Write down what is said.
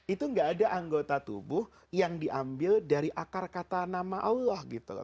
itu gak ada anggota tubuh yang diambil dari akar kata nama allah gitu loh